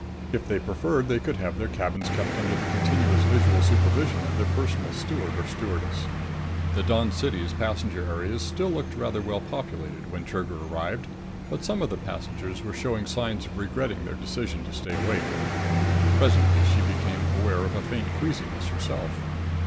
If they preferred, they could have their cabins kept under the continuous visual supervision of their personal steward or stewardess. The Dawn City's passenger areas still looked rather well populated when Trigger arrived. But some of the passengers were showing signs of regretting their decision to stay awake. Presently she became aware of a faint queasiness herself.